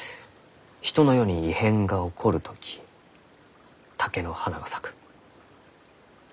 人の世に異変が起こる時竹の花が咲く。